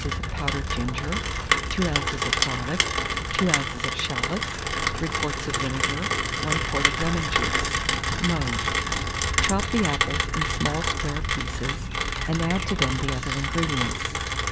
of powdered ginger, 2 oz. of garlic, 2 oz. of shalots, 3 quarts of vinegar, 1 quart of lemon juice. Mode. Chop the apples in small square pieces, and add to them the other ingredients.